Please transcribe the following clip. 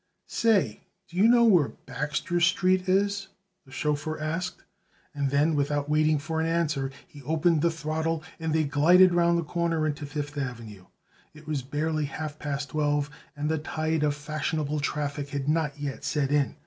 "Say! do you know where Baxter Street is?" the chauffeur asked, and then without waiting for an answer he opened the throttle and they glided around the corner into Fifth Avenue. It was barely half past twelve and the tide of fashionable traffic had not yet set in.